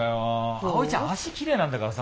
あおいちゃん脚きれいなんだからさ